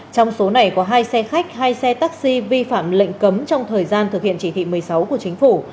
trong số này có hai xe khách hai xe taxi vi phạm lệnh cấm trong thời gian thực hiện chỉ thị một mươi sáu của chính phủ